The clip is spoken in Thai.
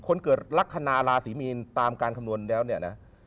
คนเกิดลักษณะราศีมีนตามการคำนวณแล้วเนี่ยนะ